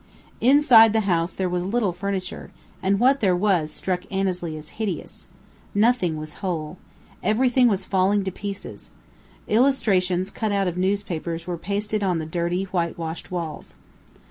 Inside the house there was little furniture, and what there was struck Annesley as hideous. Nothing was whole. Everything was falling to pieces. Illustrations cut out of newspapers were pasted on the dirty, whitewashed walls.